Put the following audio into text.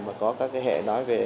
mà có các hệ nói về